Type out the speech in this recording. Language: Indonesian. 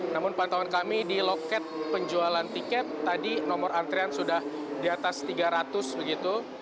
namun pantauan kami di loket penjualan tiket tadi nomor antrian sudah di atas tiga ratus begitu